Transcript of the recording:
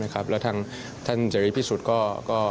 และทั้งท่านเจริปพิสุตก็